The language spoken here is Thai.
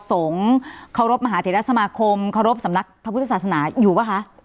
เคารพมหาเทรสมาคมเคารพสำนักพระพุทธศาสนาอยู่ป่ะคะ